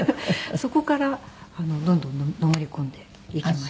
そこからどんどんのめり込んでいきました。